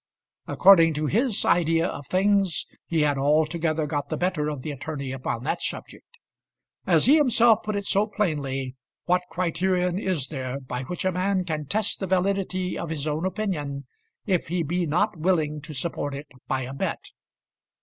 According to his idea of things, he had altogether got the better of the attorney upon that subject. As he himself put it so plainly, what criterion is there by which a man can test the validity of his own opinion if he be not willing to support it by a bet?